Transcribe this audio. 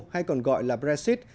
hay còn gọi là brexit